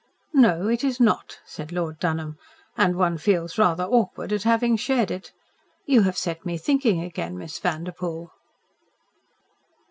"No, it is not," said Lord Dunholm, "and one feels rather awkward at having shared it. You have set me thinking again, Miss Vanderpoel."